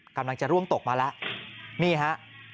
กำลังจะร่วงตกมาแล้วนี่ฮะ